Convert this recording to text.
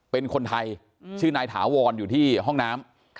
เป็นคนไทยชื่อนายถาวรอยู่ที่ห้องน้ำ